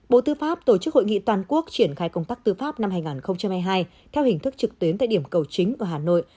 bộ tư pháp tổ chức hội nghị toàn quốc triển khai công tác tư pháp năm hai nghìn hai mươi hai theo hình thức trực tuyến tại điểm cầu chính ở hà nội